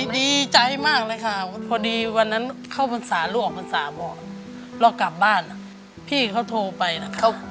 ดีใจมากเลยค่ะพอดีวันนั้นเข้าพรรษาลูกออกพรรษาบอกเรากลับบ้านพี่เขาโทรไปนะครับ